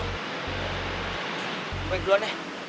sampai duluan ya